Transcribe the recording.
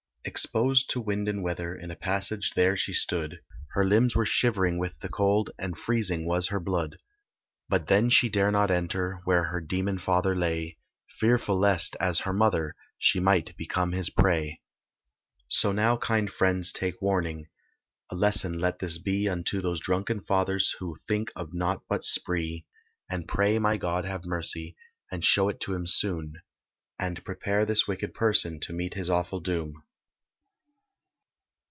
Exposed to wind and weather, In a passage there she stood; Her limbs were shivering with the cold, And freezing was her blood; But then she dare not enter Where her demon father lay, Fearful lest, as her mother, She might become his prey. So now, kind friends, take warning, A lesson let this be Unto those drunken fathers Who think of nought but "spree;" And pray may God have mercy, And show it to him soon; And prepare this wicked person To meet his awful doom.